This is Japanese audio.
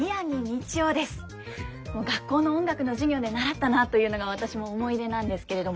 学校の音楽の授業で習ったなというのが私も思い出なんですけれども。